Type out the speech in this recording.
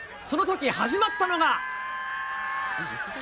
そのとき始まったのが。